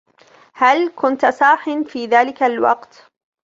هل كنت صاحٍ في ذلك الوقت ؟